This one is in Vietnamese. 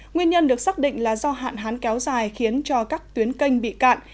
nguyên nhân được xác định là do hạn hán kéo dài khiến cho các tuyến canh bị cạn